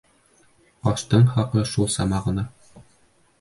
Ҡаштың хаҡы шул сама ғына.